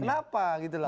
kenapa gitu lah